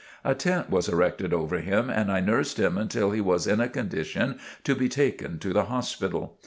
A tent was erected over him and I nursed him until he was in a condition to be taken to the hospital.